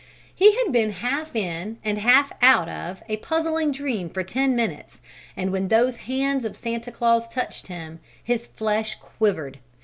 He had been half in, and half out of, a puzzling dream for ten minutes, and when those hands of Santa Claus touched him, his flesh quivered.